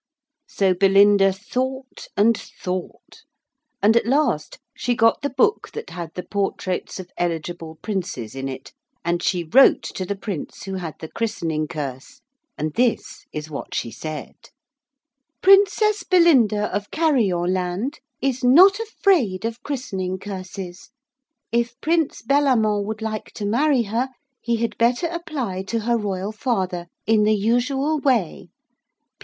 So Belinda thought and thought. And at last she got the book that had the portraits of eligible princes in it, and she wrote to the prince who had the christening curse and this is what she said: 'Princess Belinda of Carrillon land is not afraid of christening curses. If Prince Bellamant would like to marry her he had better apply to her Royal Father in the usual way.